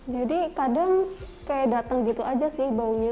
jadi kadang kayak datang gitu aja sih baunya